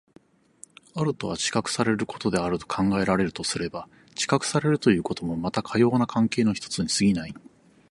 あるとは知覚されることであると考えられるとすれば、知覚されるということもまたかような関係の一つに過ぎない。